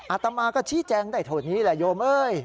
อาตมาก็ชี้แจงได้เท่านี้แหละโยมเอ้ย